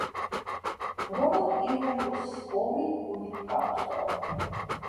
რომამ იუვენტუსს ორი ქულით გაუსწრო.